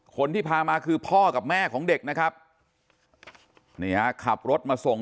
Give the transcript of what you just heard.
คนที่พามาคือพ่อกับแม่ของเด็กนะครับนี่ฮะขับรถมาส่ง